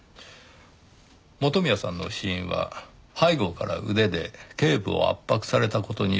元宮さんの死因は背後から腕で頸部を圧迫された事による窒息。